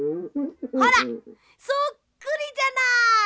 ほらそっくりじゃない！